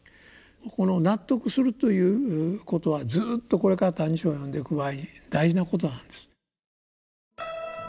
この納得するということはずっとこれから「歎異抄」を読んでいく場合に大事なことなんです。